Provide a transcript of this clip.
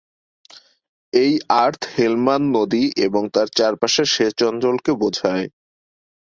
এই অর্থ হেলমান্দ নদী এবং তার চারপাশের সেচ অঞ্চলকে বোঝায়।